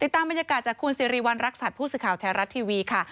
ตามบรรยากาศจากคุณสิริวัณรักษัตริย์ผู้สื่อข่าวไทยรัฐทีวีค่ะ